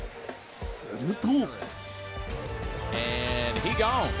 すると。